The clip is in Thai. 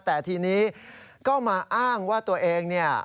แต่ทีนี้ก็มาอ้างว่าตัวเองเนี่ย